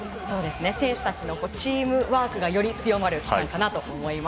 選手たちのチームワークがより強まる期間かなと思います。